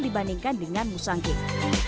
dibandingkan dengan nusanking